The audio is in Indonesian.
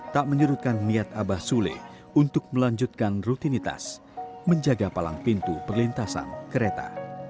tak menyurutkan niat abah sule untuk melanjutkan rutinitas menjaga palang pintu perlintasan kereta